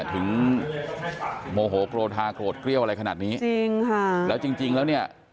โมโหกรทาโกรธเกลี้ยวอะไรขนาดนี้จริงค่ะแล้วจริงจริงแล้วเนี่ย